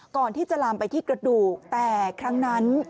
ก่อนที่จะลามไปที่กระดูกแต่ครั้งนั้น